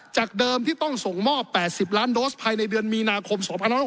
จากเดิมที่ต้องส่งมอบ๘๐ล้านโดสภายในเดือนมีนาคม๒๖๖